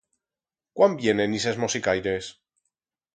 Cuán vienen ixes mosicaires?